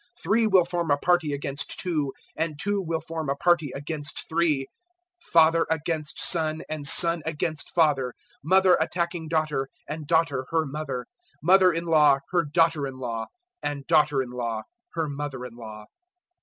Three will form a party against two and two will form a party against three; 012:053 father against son and son against father; mother attacking daughter and daughter her mother, mother in law her daughter in law, and daughter in law her mother in law."